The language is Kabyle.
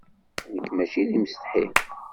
Nekk maci d imsetḥi.